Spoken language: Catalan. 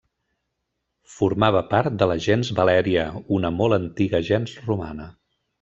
Formava part de la gens Valèria, una molt antiga gens romana.